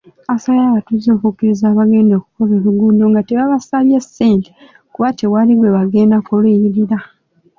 Asabye abatuuze okukkiriza abagenda okukola oluguudo nga tebabasabye ssente kuba tewali gwe bagenda kuliyirira.